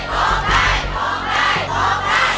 มาฟังอินโทรเพลงที่๑๐